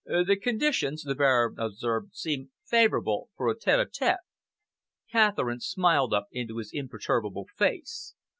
"The conditions," the Baron observed, "seem favourable for a tete a tete." Catherine smiled up into his imperturbable face.